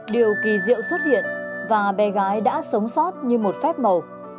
điều kỳ diệu xuất hiện và bé gái đã sống sót như một phép màu